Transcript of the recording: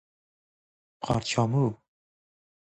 قارچامو